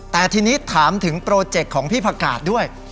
แต่ทีนี้ถามถึงโปรเจกต์ของพี่ผักกาดด้วย